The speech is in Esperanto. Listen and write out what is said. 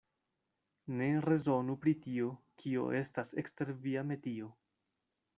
Ne rezonu pri tio, kio estas ekster via metio.